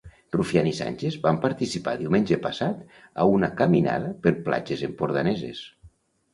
Rufián i Sánchez van participar diumenge passat a una caminada per platges empordaneses.